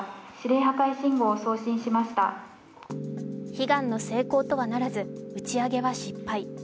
悲願の成功とはならず打ち上げは失敗。